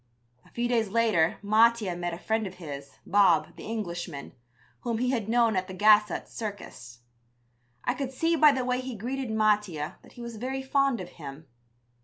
A few days later Mattia met a friend of his, Bob, the Englishman, whom he had known at the Gassot Circus. I could see by the way he greeted Mattia that he was very fond of him.